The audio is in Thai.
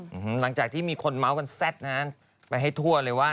หลังจากที่มีคนเมาส์กันแซ่ดนะฮะไปให้ทั่วเลยว่า